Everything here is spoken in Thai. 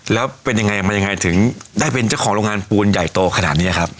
แล้วเป็นยังไงมันยังไงถึงได้เป็นเจ้าของโรงงานปูนใหญ่โตขนาดนี้ครับ